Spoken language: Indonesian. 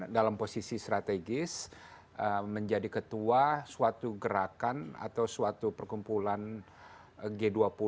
dalam posisi strategis menjadi ketua suatu gerakan atau suatu perkumpulan g dua puluh